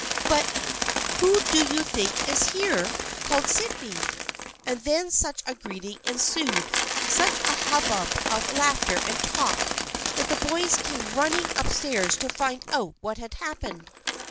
"" But who do you think is here ?" called Sydney, and then such a greeting ensued, such a hubbub of laughter and talk, that the boys came running up stairs to find out what had happened.